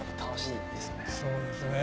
そうですね。